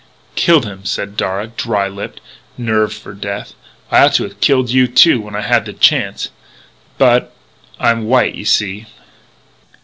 "Killed him," said Darragh, dry lipped, nerved for death. "I ought to have killed you, too, when I had the chance. But I'm white, you see."